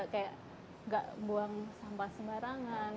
kayak gak buang sampah sembarangan